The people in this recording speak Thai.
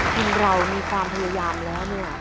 ทีมเรามีความพยายามแล้วเนี่ย